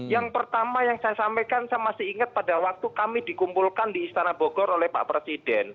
yang pertama yang saya sampaikan saya masih ingat pada waktu kami dikumpulkan di istana bogor oleh pak presiden